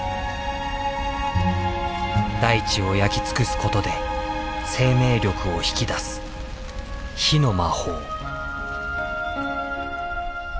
大地を焼き尽くすことで生命力を引き出す火の魔法。